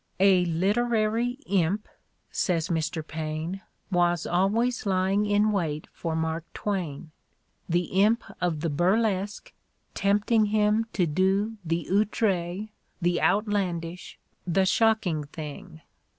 "A literary imp," says Mr. Paine, "was always lying in wait for Mark Twain, the imp of the burlesque, tempting him to do the outre, the outlandish, the shocking thing.